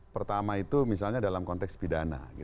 pertama itu misalnya dalam konteks pidana